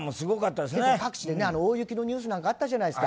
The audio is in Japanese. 各地で大雪のニュースがあったじゃないですか。